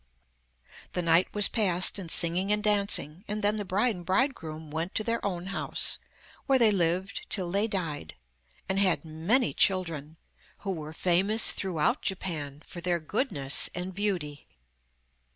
The night was passed in singing and dancing, and then the bride and bridegroom went to their own house, where they lived till they died, and had many children, who were famous throughout Japan for their goodness and beauty.